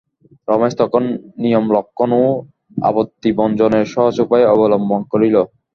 রমেশ তখন নিয়মলঙ্ঘন ও আপত্তিভঞ্জনের সহজ উপায় অবলম্বন করিল।